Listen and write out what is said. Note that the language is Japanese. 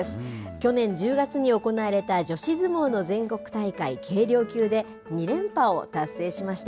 去年１０月に行われた女子相撲の全国大会軽量級で２連覇を達成しました。